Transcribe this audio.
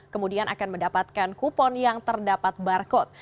kemudian akan mendapatkan kupon yang terdapat barcode